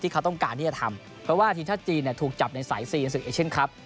ที่เขาต้องการที่จะทำเพราะว่าทีมชาติจีนถูกจับในสายเฆียงสู้เอชั่นคลับ